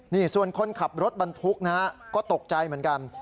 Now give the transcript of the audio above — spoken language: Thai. นี่ส่วนคนขับรถบรรทุกนะฮะก็ตกใจเหมือนกัน